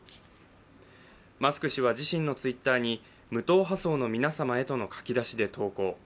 マスク氏は自身のＴｗｉｔｔｅｒに「無党派層の皆様へ」との書き出しで投稿。